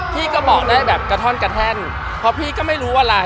พี่ก็บอกได้แบบกระท่อนกระแท่นเพราะพี่ก็ไม่รู้อะไร